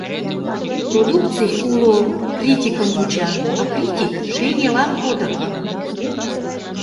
Продукций уло — критикым вуча, а критик шеҥгелан кодын...